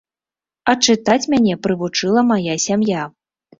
А чытаць мяне прывучыла мая сям'я.